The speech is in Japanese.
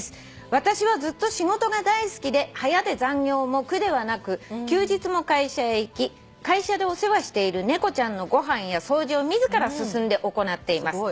「私はずっと仕事が大好きで早出残業も苦ではなく休日も会社へ行き会社でお世話している猫ちゃんのご飯や掃除を自ら進んで行っています」